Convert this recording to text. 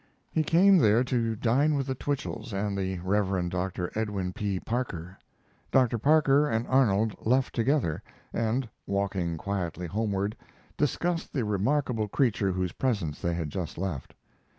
He came there to dine with the Twichells and the Rev. Dr. Edwin P. Parker. Dr. Parker and Arnold left together, and, walking quietly homeward, discussed the remarkable creature whose presence they had just left.